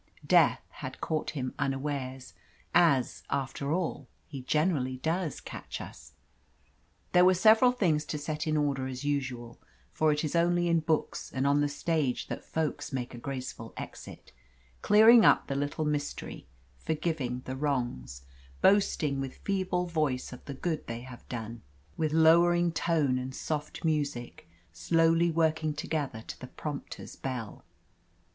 Death had caught him unawares as, after all, he generally does catch us. There were several things to set in order as usual; for it is only in books and on the stage that folks make a graceful exit, clearing up the little mystery, forgiving the wrongs, boasting with feeble voice of the good they have done with lowering tone and soft music slowly working together to the prompter's bell.